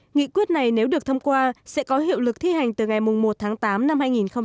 nghị quyết này nếu được thông qua sẽ có hiệu lực thi hành từ ngày một tháng tám năm hai nghìn hai mươi